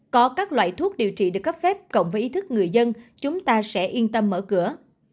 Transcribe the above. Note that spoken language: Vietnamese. có các loại thuốc điều trị được cấp phép cộng với ý thức người dân chúng ta sẽ yên tâm mở cửa